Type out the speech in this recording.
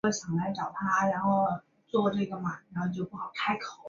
宁德核电站实现中国首台自主开发的百万千瓦级核电站全范围模拟机的投用。